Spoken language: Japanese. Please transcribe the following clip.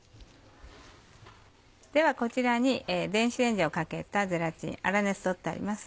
ではこちらに電子レンジをかけたゼラチン粗熱取ってあります。